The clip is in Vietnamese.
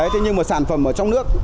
thế nhưng mà sản phẩm ở trong nước